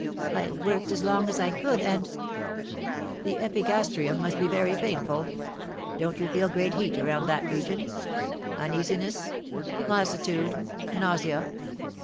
I worked as long as I could, and " "The epigastrium must be very painful. Don't you feel great heat around that region? uneasiness, lassitude, nausea?"